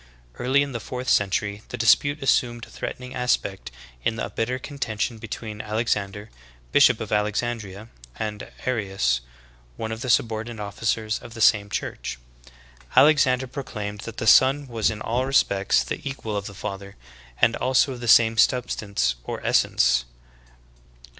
Early in the fourth century the dispute assumed a threatening aspect in a bitter contention between Alexander, bishop of Alexandria, and Arius, one of the subordinate officers of the same church. Alexander proclaimed that the Son was in all respects the equal of the Father, and also of the same substance or es sence.